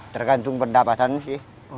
tergantung pendapatan sih